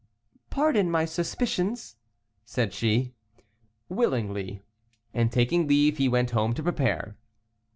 "Pardon my suspicions," said she. "Willingly," and taking leave he went home to prepare.